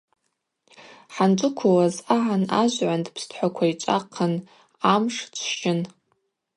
Хӏанджвыквылуаз агӏан ажвгӏванд пстхӏва квайчӏва хъын, амш чвщын.